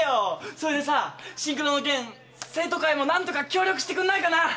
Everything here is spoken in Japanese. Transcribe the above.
それでさシンクロの件生徒会も何とか協力してくんないかな。